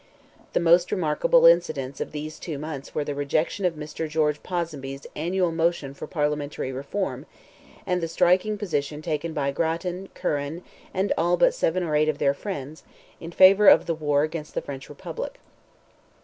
The most remarkable incidents of these two months were the rejection of Mr. George Ponsonby's annual motion for parliamentary reform, and the striking position taken by Grattan, Curran, and all but seven or eight of their friends, in favour of the war against the French republic.